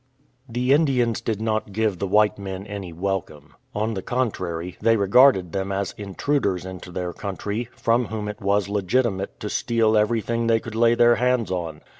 "" The Indians did not give the white men any welcome. On the contrary, they regarded them as intruders into their country, from whom it was legitimate to steal every thing they could lay their hands on.